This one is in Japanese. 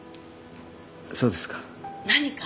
そうですか。何か？